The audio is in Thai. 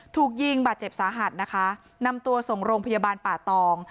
ถูกยิงบาดเจ็บสาหัสนะคะนำตัวส่งโรงพยาบาลป่าตอง